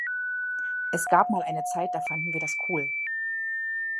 Es gab mal eine Zeit, da fanden wir das cool.